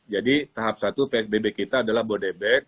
jadi tahap satu psbb kita adalah bodebek